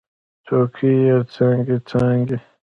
څوکې یې څانګې، څانګې